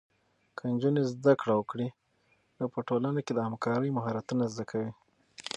که نجونې زده کړه وکړي، نو په ټولنه کې د همکارۍ مهارتونه زده کوي.